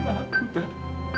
maafin lah aku tat